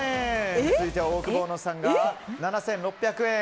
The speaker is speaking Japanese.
続いてオオクボーノさんが７６００円。